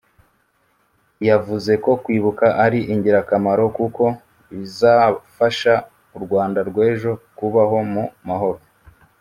yavuze ko kwibuka ari ingirakamaro kuko bizafasha u Rwanda rw’ejo kubaho mu mahoro